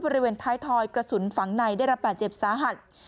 บริเวณท้ายทอยกระสุนฝังในได้รับบาดเจ็บสาหัส